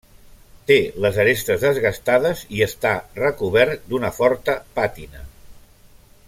Té les arestes desgastades i està recobert d’una forta pàtina.